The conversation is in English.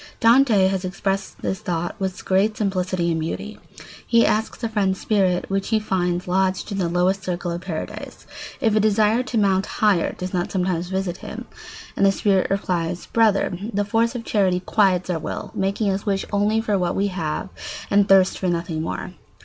] Dante has expressed this thought with great simplicity and beauty. He asks a friend's spirit, which he finds lodged in the lowest circle of paradise, if a desire to mount higher does not sometimes visit him; and the spirit replies: "Brother, the force of charity quiets our will, making us wish only for what we have and thirst for nothing more.